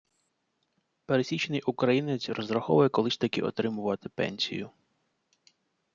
Пересічний українець розраховує колись таки отримувати пенсію.